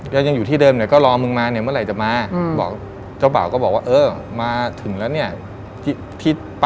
ใช่ครับใช่ครับ